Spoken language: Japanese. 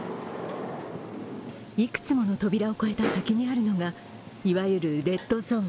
いくつもの扉を越えた先にあるのがいわゆる、レッドゾーン。